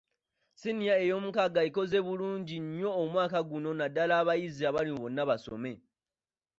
Siniya eyomukaaga ekoze bulungi nnyo omwaka guno naddala abayizi abali mu bonnabasome.